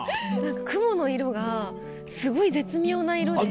雲の色がすごい絶妙な色で。